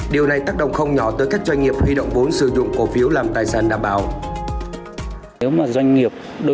điều này tác động không nhỏ tới các doanh nghiệp huy động vốn sử dụng cổ phiếu làm tài sản đảm bảo